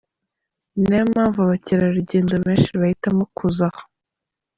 Ni nayo mpamvu abakerarugendo banshi bahitamo kuza aha.”